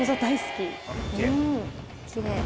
きれい。